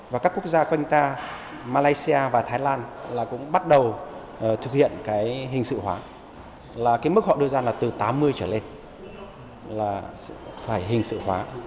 và các quốc gia quanh ta malaysia và thái lan là cũng bắt đầu thực hiện cái hình sự hóa là cái mức họ đưa ra là từ tám mươi trở lên là phải hình sự hóa